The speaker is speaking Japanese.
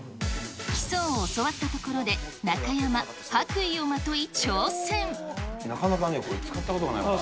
基礎を教わったところで、なかなかね、これ、使ったことないから。